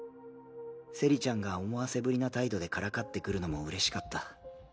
セリちゃんが思わせぶりな態度でからかってくるのもうれしかった。